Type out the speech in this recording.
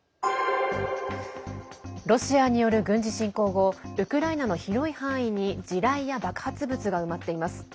ロシアによる軍事侵攻後ウクライナの広い範囲に地雷や爆発物が埋まっています。